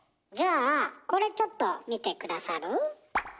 じゃあこれちょっと見て下さる？